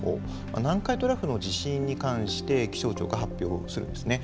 南海トラフの地震に関して気象庁が発表するんですね。